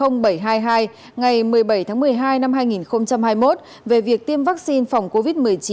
một mươi bảy trăm hai mươi hai ngày một mươi bảy tháng một mươi hai năm hai nghìn hai mươi một về việc tiêm vaccine phòng covid một mươi chín